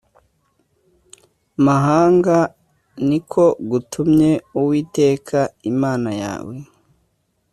mahanga ni ko gutumye Uwiteka Imana yawe